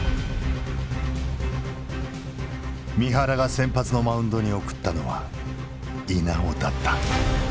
三原が先発のマウンドに送ったのは稲尾だった。